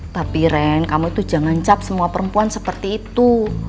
bapiren kamu itu jangan cap semua perempuan seperti itu